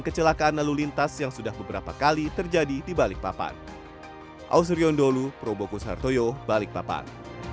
kecelakaan lalu lintas yang sudah beberapa kali terjadi di balikpapan